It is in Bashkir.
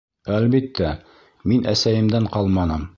Әлбиттә, мин әсәйемдән ҡалманым.